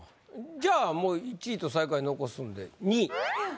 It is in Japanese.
じゃあもう１位と最下位残すんで２位。